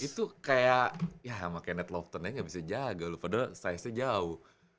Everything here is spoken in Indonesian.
itu kayak ya sama kenneth lofton aja gak bisa jaga loh padahal size nya jauh